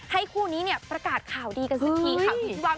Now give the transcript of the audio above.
คู่นี้เนี่ยประกาศข่าวดีกันสักทีค่ะ